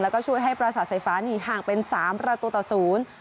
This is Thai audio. แล้วก็ช่วยให้ประสาทไฟฟ้านี่ห่างเป็นสามประตูต่อศูนย์